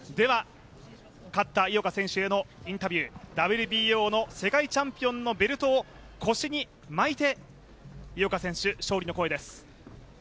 勝った井岡選手へのインタビュー、ＷＢＯのチャンピオンベルトを腰に巻いて井岡選手、勝利の声です